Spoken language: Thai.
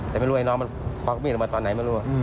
แต่ไม่รู้ไอ้น้องมันควักมีดออกมาตอนไหนไม่รู้